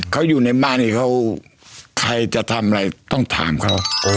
เขาอยู่ในบ้านนี้เขาใครจะทำอะไรต้องถามเขา